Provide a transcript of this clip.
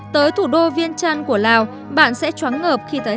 tới thủ đô viên trăn của lào bạn sẽ chóng ngợp khi thấy